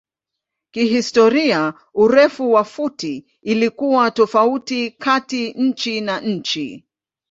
Kihistoria urefu wa futi ilikuwa tofauti kati nchi na nchi.